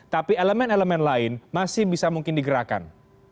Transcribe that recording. tapi elemen elemen lain masih bisa mungkin digerakkan